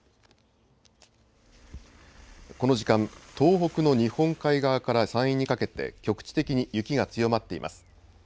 この時間、東北の日本海側から山陰にかけて局地的に雪が強まっています。